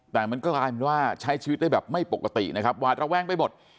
แต่มันก็กลายเป็นว่าใช้ชีวิตได้แบบไม่ปกตินะครับหวาดระแวงไปหมด